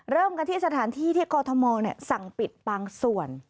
เริ่มกันที่สถานที่ที่กรทมสั่งปิดบางส่วน